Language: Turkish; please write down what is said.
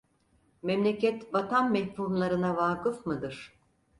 Memleket, vatan mefhumlarına vâkıf mıdır?